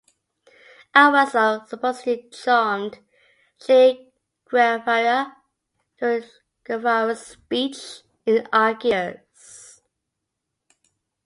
Al-Wazir supposedly "charmed Che Guevara" during Guevara's speech in Algiers.